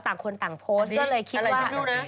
ต่างคนต่างโพสต์ก็เลยคิดว่า